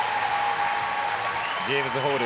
ジェームズ・ホール